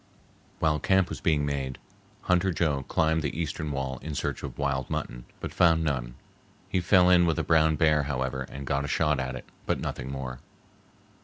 While camp was being made, Hunter Joe climbed the eastern wall in search of wild mutton, but found none. He fell in with a brown bear, however, and got a shot at it, but nothing more.